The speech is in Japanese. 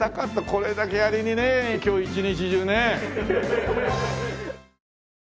これだけやりにね今日一日中ね。